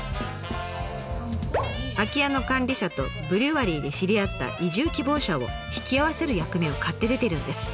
空き家の管理者とブリュワリーで知り合った移住希望者を引き合わせる役目を買って出てるんです。